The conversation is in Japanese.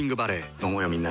飲もうよみんなで。